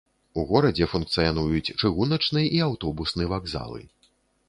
У горадзе функцыянуюць чыгуначны і аўтобусны вакзалы.